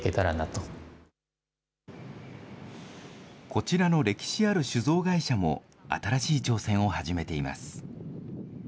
こちらの歴史ある酒造会社も、新しい挑戦を始めています。